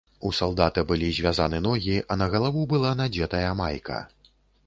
У салдата былі звязаны ногі, а на галаву была надзетая майка.